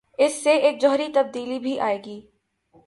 اس سے ایک جوہری تبدیلی بھی آئے گی۔